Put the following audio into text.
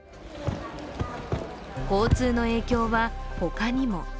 交通の影響は他にも。